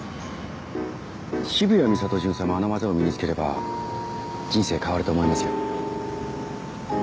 渋谷美里巡査もあの技を身につければ人生変わると思いますよ。